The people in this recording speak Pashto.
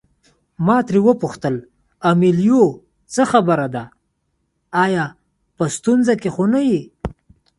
ما ترې وپوښتل امیلیو څه خبره ده آیا په ستونزه کې خو نه یې.